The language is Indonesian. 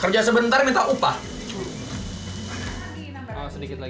kerja sebentar minta upah